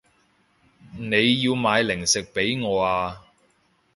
你要買零食畀我啊